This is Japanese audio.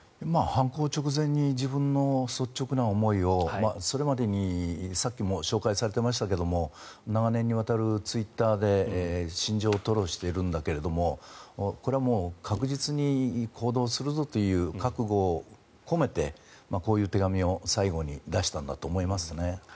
犯行直前に自分の率直な思いをそれまでにさっきも紹介されていましたけども長年にわたるツイッターで心情を吐露しているんだけどもこれはもう確実に行動するぞという覚悟を込めてこういう手紙を最後に出したんだと思いますね。